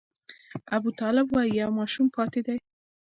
ابوطالب وايي یو ماشوم پاتې دی.